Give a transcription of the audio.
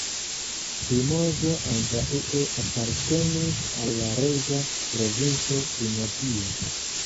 Limoĝo antaŭe apartenis al la reĝa provinco Limoĝio.